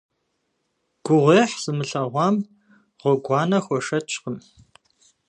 Гугъуехь зымылъэгъуам гъуэгуанэ хуэшэчкъым.